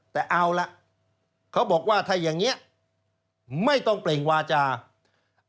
แต่เอาละเขาบอกว่าถ้าอย่างเงี้ยไม่ต้องเปล่งวาจาราศิกขา